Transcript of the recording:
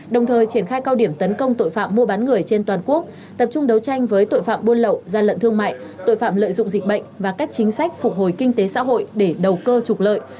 đồng thời triển khai cao điểm tấn công tội phạm mua bán người trên toàn quốc tập trung đấu tranh với tội phạm buôn lậu gian lận thương mại tội phạm lợi dụng dịch bệnh và các chính sách phục hồi kinh tế xã hội để đầu cơ trục lợi